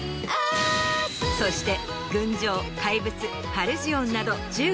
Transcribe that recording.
そして。